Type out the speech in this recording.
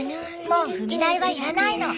もう踏み台は要らないの。